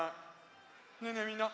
ねえねえみんな。